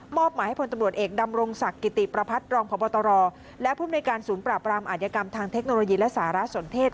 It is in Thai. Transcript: หมายให้พลตำรวจเอกดำรงศักดิ์กิติประพัฒน์รองพบตรและผู้มนุยการศูนย์ปราบรามอาธิกรรมทางเทคโนโลยีและสารสนเทศ